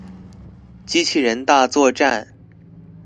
機器人大作戰